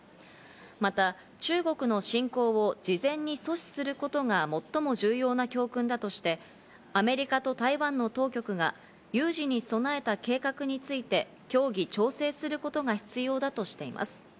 また中国の侵攻を事前に阻止することが最も重要な教訓だとして、アメリカと台湾の当局が有事に備えた計画について協議・調整することが必要だとしています。